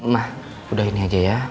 mah udah ini aja ya